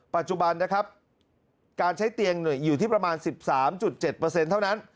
ปัจจุบันนะครับการใช้เตียงอยู่ที่ประมาณ๑๓๗เท่านั้น